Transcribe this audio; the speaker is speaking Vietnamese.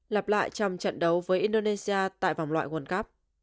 lặp lại trong trận đấu với indonesia tại vòng loại world cup